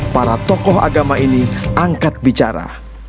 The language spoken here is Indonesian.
para tokoh agama ini angkat bicara